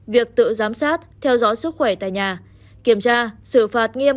việc tự giám sát theo dõi sức khỏe tại nhà kiểm tra xử phạt nghiêm